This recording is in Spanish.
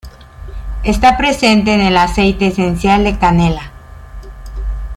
Está presente en el aceite esencial de canela.